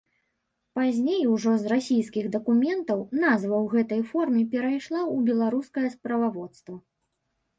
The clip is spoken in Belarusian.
Пазней, ужо з расійскіх дакументаў, назва ў гэтай форме перайшла ў беларускае справаводства.